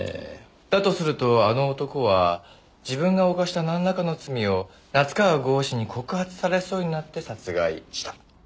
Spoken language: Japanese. だとすると「あの男」は自分が犯したなんらかの罪を夏河郷士に告発されそうになって殺害した。